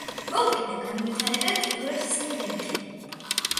მოკლე და განუვითარებელ კიდურებს ისინი ვერ იყენებენ.